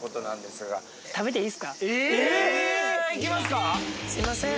すいません